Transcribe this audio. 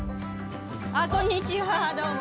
こんにちはどうも。